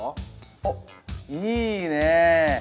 おっいいね！